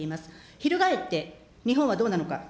ひるがえって日本はどうなのか。